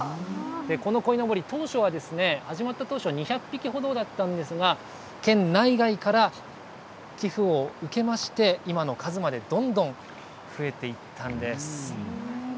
このこいのぼり、当初は、始まった当初は２００匹ほどだったんですが、県内外から寄付を受けまして、今の数まで、どんどん増えていったんです。